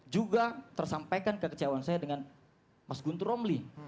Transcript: juga tersampaikan kekecewaan saya dengan mas guntur romli